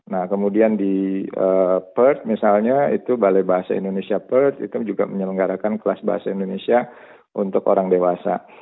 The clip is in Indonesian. nah kemudian di perth misalnya itu balai bahasa indonesia pers itu juga menyelenggarakan kelas bahasa indonesia untuk orang dewasa